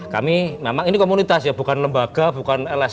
kami memang ini komunitas ya bukan lembaga bukan lsm